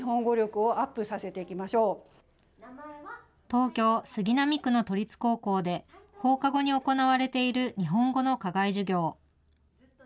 東京・杉並区の都立高校で、放課後に行われている日本語の課外授業。